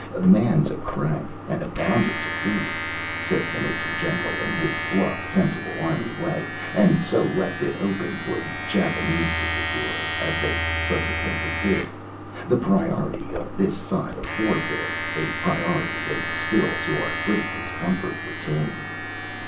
"The man's a crank and a bounder to boot," says the Major General in his bluff, sensible, army way, and so left it open for the Japanese to secure, as they subsequently did, the priority in this side of warfare a priority they still to our great discomfort retain.